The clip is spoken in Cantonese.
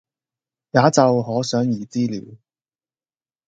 也就可想而知了，